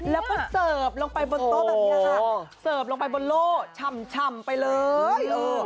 แล้วก็เสิร์ฟลงไปบนโต๊ะแบบนี้ค่ะเสิร์ฟลงไปบนโล่ฉ่ำไปเลย